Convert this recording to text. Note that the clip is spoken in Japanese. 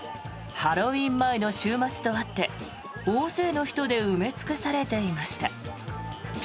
ハロウィーン前の週末とあって大勢の人で埋め尽くされていました。